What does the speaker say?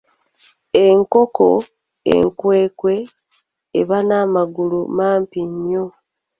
Enkoko enkwekwe eba n'amagulu mampi nnyo.